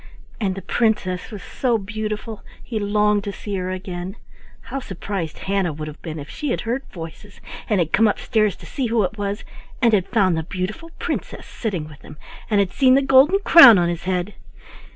And the princess was so beautiful he longed to see her again. How surprised Hannah would have been if she had heard voices, and had come up stairs to see who it was, and had found the beautiful princess sitting with him, and had seen the golden crown on his head!